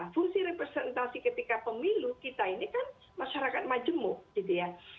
fungsi representasi ketika pemilu kita ini kan masyarakat majemuk gitu ya